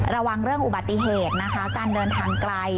ระวังเรื่องอุบัติเหตุนะคะการเดินทางไกล